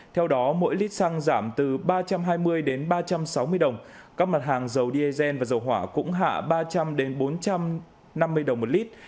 theo đó mỗi lít xăng giảm từ ba trăm hai mươi đến ba trăm sáu mươi đồng các mặt hàng dầu diesel và dầu hỏa cũng hạ ba trăm linh bốn trăm năm mươi đồng một lít